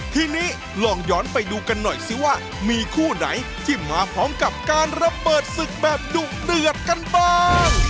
ทีนี้ลองย้อนไปดูกันหน่อยสิว่ามีคู่ไหนที่มาพร้อมกับการระเบิดศึกแบบดุเดือดกันบ้าง